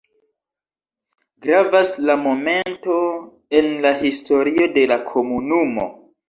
Gravas la momento en la historio de la komunumo.